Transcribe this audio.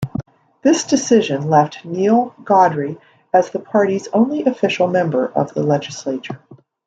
This decision left Neil Gaudry as the party's only official member of the legislature.